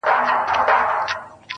o مــروره در څه نـه يمـه ه.